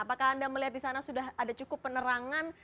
apakah anda melihat di sana sudah ada cukup penerangan